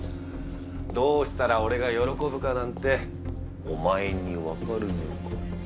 どうしたら俺が喜ぶかなんてお前に分かるのかよ？